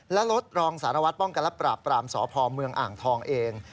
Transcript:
และรถรองสารวัตรป้องกันและปราบปรามสพเมืองอ่างทองเอง